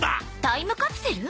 タイムカプセル？